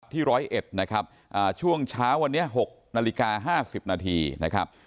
๑๐๑นะครับช่วงเช้าวันนี้๖นาฬิกา๕๐นาทีนะครับ